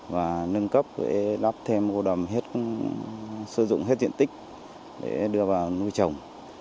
và nâng cấp đắp thêm hộ đầm sử dụng hết diện tích để đưa vào nuôi chồng